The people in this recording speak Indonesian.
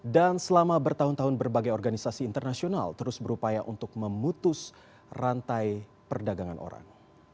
dan selama bertahun tahun berbagai organisasi internasional terus berupaya untuk memutus rantai perdagangan orang